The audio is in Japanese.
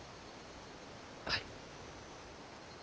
はい。